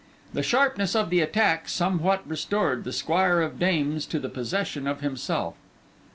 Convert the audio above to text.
The sharpness of the attack somewhat restored the Squire of Dames to the possession of himself.